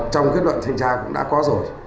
trong kết luận thanh tra cũng đã có rồi